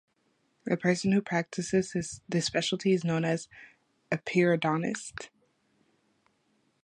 A person who practices this specialty is known as a periodontist.